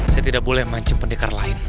saya tidak boleh memancing pendekar lain